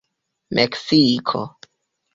meksiko